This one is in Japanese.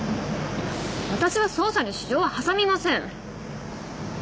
私は捜査に私情は挟みません！